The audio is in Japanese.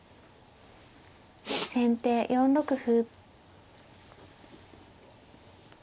先手４六歩。